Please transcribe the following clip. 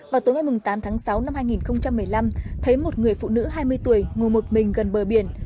vào tối ngày tám tháng sáu năm hai nghìn một mươi năm thấy một người phụ nữ hai mươi tuổi ngồi một mình gần bờ biển